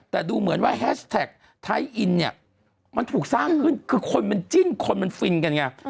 แต่ดูเหมือนว่าแฮชแท็กไทยอินเนี่ยมันถูกสร้างขึ้นคือคนมันจิ้นคนมันฟินกันไง